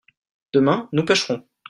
demain nous pêcherons.